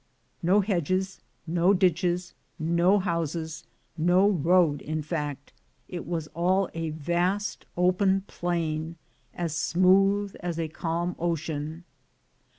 No hedges, no ditches, no houses, no road in fact — it was all a vast open plain, as smooth as a calm ocean.